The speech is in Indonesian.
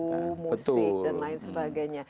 penulisan buku musik dan lain sebagainya